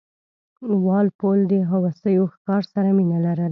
وال پول د هوسیو ښکار سره مینه لرله.